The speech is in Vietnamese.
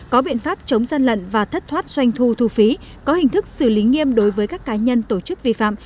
có biện pháp chống gian lận và thất thoát doanh thu thu phí có hình thức xử lý nghiêm đối với các cá nhân tổ chức vi phạm